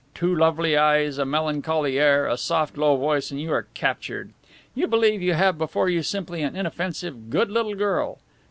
Two lovely eyes, a melancholy air, a soft, low voice, and you are captured you believe you have before you simply an inoffensive, good little girl.